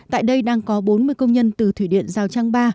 tại đây đang có bốn mươi công nhân từ thủy điện giao trang ba